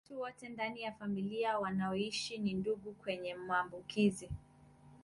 Watu wote ndani ya familia wanaoshi na ndugu mwenye maambukizi